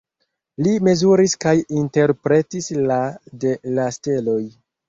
Li mezuris kaj interpretis la de la steloj.